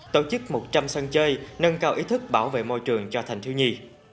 tổ chức một trăm linh sân chơi nâng cao ý thức bảo vệ môi trường cho thành thiếu nhi